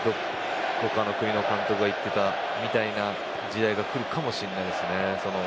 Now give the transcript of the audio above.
でも他の国の監督が言っていたみたいな時代が来るかもしれませんね。